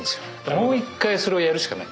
もう一回それをやるしかない。